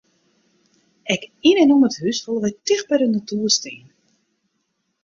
Ek yn en om it hús wolle wy ticht by de natoer stean.